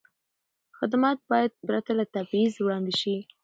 خدمت باید پرته له تبعیض وړاندې شي.